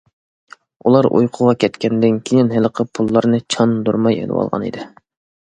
ئۇلار ئۇيقۇغا كەتكەندىن كېيىن ھېلىقى پۇللارنى چاندۇرماي ئېلىۋالغان ئىدى.